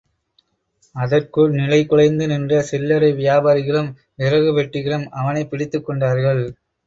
அதற்குள் நிலைகுலைந்து நின்ற சில்லறை வியாபாரிகளும் விறகு வெட்டிகளும் அவனைப் பிடித்துக் கொண்டார்கள்.